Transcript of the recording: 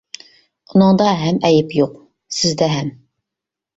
ئۇنىڭدا ھەم ئەيىب يوق، سىزدە ھەم.